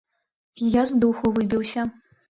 Я з духу выбіўся.